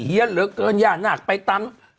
เหลือเกินย่านาคไปตาม